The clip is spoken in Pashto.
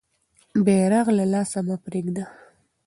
بیرغ له لاسه مه پرېږده.